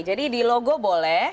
jadi di logo boleh